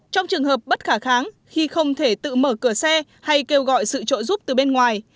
trong trường hợp bất khả kháng khi không thể tự mở cửa xe hay kêu gọi sự trợ giúp từ bên ngoài